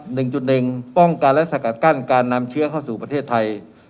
หนึ่งจุดหนึ่งป้องกันและสกัดกั้นการนำเชื้อเข้าสู่ประเทศไทย